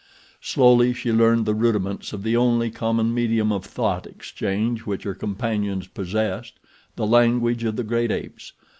Slowly she learned the rudiments of the only common medium of thought exchange which her companions possessed—the language of the great apes.